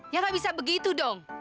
ya gak bisa begitu dong